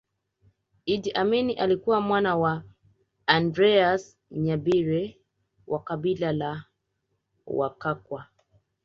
Idi Amin alikuwa mwana wa Andreas Nyabire wa kabila la Wakakwa